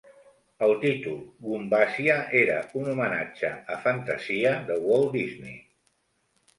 El títol "Gumbasia" era un homenatge a "Fantasia", de Walt Disney.